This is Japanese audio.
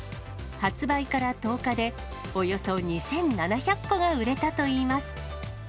発売から１０日で、およそ２７００個が売れたといいます。